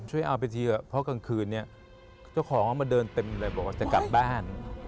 เอาไปทีเถอะเพราะกลางคืนเนี่ยเจ้าของเขามาเดินเต็มเลยบอกว่าจะกลับบ้าน